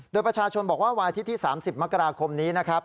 โดยประชาชนบอกว่าวันอาทิตย์ที่๓๐มกราคมนี้นะครับ